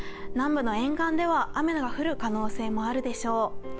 南部の沿岸では雨が降る可能性もあるでしょう。